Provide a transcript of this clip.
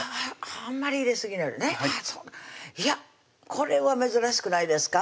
これは珍しくないですか？